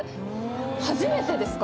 初めてですか？